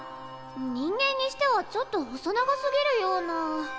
人間にしてはちょっと細長すぎるような。